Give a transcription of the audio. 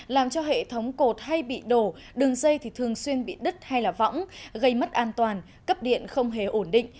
làm cho hệ thống cột hay bị đổ đường dây thì thường xuyên bị đứt hay là võng gây mất an toàn cấp điện không hề ổn định